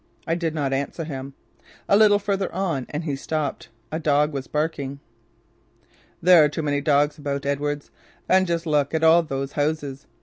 I did not answer him. A little further on and he stopped. A dog was barking. "There's too many dogs about, Edwards. And just look at all those houses."